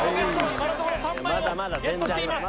今のところ３枚をゲットしています